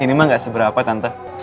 ini mah gak seberapa tante